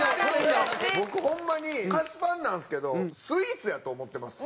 僕ホンマに菓子パンなんですけどスイーツやと思ってます